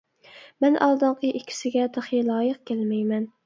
مەن ئالدىنقى ئىككىسىگە تېخى لايىق كەلمەيمەن.